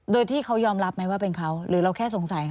โดยที่เขายอมรับไหมว่าเป็นเขาหรือเราแค่สงสัยค่ะ